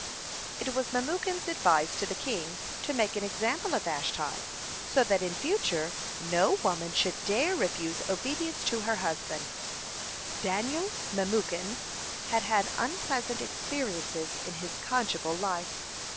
(42) It was Memucan's advice to the king to make an example of Vashti, so that in future no woman should dare refuse obedience to her husband. Daniel Memucan had had unpleasant experiences in his conjugal life.